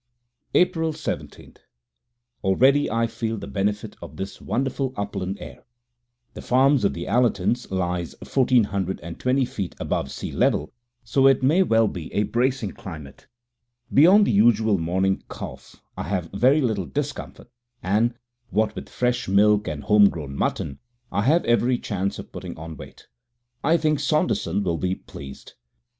April 17. Already I feel the benefit of this wonderful upland air. The farm of the Allertons lies fourteen hundred and twenty feet above sea level, so it may well be a bracing climate. Beyond the usual morning cough I have very little discomfort, and, what with the fresh milk and the home grown mutton, I have every chance of putting on weight. I think Saunderson will be pleased.